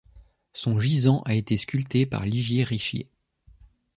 Son gisant a été sculpté par Ligier Richier.